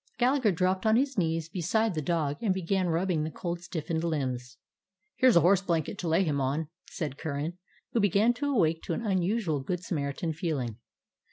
Gal lagher dropped on his knees beside the dog and began rubbing the cold stiffened limbs. "Here 's a horse blanket to lay him on," said Curran, who began to awake to an un usual good Samaritan feeling.